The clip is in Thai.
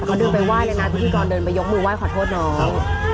เขาเดินไปว่ายเลยนะพี่กรเดินไปยกมือว่ายขอโทษน้อง